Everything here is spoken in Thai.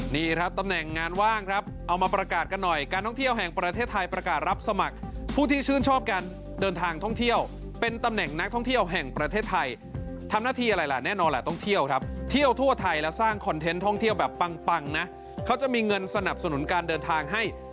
นี่ครับตำแหน่งงานว่างครับเอามาประกาศกันหน่อยการท่องเที่ยวแห่งประเทศไทยประกาศรับสมัครผู้ที่ชื่นชอบการเดินทางท่องเที่ยวเป็นตำแหน่งนักท่องเที่ยวแห่งประเทศไทยทำหน้าที่อะไรล่ะแน่นอนแหละต้องเที่ยวครับเที่ยวทั่วไทยและสร้างคอนเทนต์ท่องเที่ยวแบบปังนะเขาจะมีเงินสนับสนุนการเดินทางให้